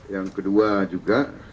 yang kedua juga